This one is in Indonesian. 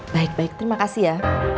baik baik terima kasih ya